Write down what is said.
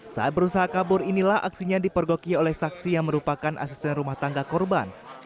saat berusaha kabur inilah aksinya dipergoki oleh saksi yang merupakan asisten rumah tangga korban